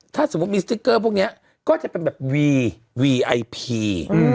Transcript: ถ้าสมมุติมีสติ๊กเกอร์พวกนี้ก็จะเป็นแบบวีวีไอพี